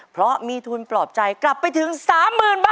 เพราะมีทุนปลอบใจกลับไปถึงสามหมื่นบาท